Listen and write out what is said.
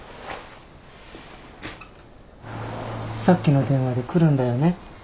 さっきの電話で来るんだよね？